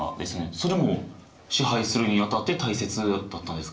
それも支配するにあたって大切だったんですか？